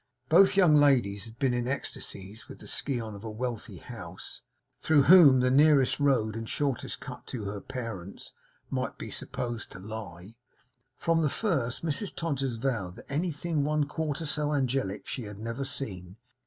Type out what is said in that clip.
Both young ladies had been in ecstasies with the scion of a wealthy house (through whom the nearest road and shortest cut to her parents might be supposed to lie) from the first. Mrs Todgers vowed that anything one quarter so angelic she had never seen.